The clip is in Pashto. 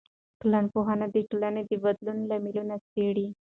ټولنپوهنه د ټولنې د بدلون لاملونه څېړي.